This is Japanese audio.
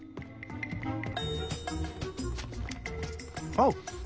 あっ！